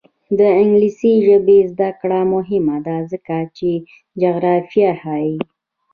د انګلیسي ژبې زده کړه مهمه ده ځکه چې جغرافیه ښيي.